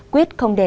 quýt không đẹp